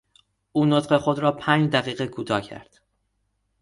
او نطق خود را پنج دقیقه کوتاه کرد.